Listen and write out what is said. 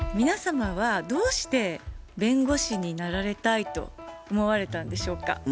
皆様はどうして弁護士になられたいと思われたんでしょうか？